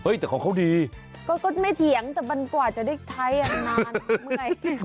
เฮ้ยแต่ของเขาดีก็ไม่เถียงแต่มันกว่าจะได้ใช้อย่างนาน